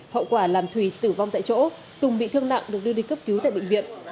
hậu quả làm thùy tử vong tại chỗ tùng bị thương nặng được đưa đi cấp cứu tại bệnh viện